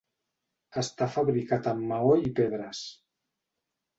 Està fabricat en maó i pedres.